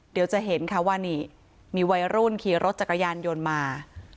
เดี๋ยวจะเห็นค่ะว่านี่มีวัยรุ่นขี่รถจักรยานยนต์มา